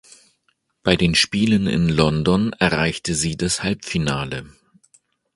Bei den Spielen in London erreichte sie das Halbfinale.